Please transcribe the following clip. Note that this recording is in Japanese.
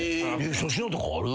粗品とかある？